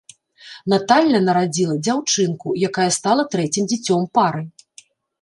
Наталля нарадзіла дзяўчынку, якая стала трэцім дзіцём пары.